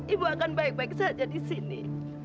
ibu akan baik baik saja di sini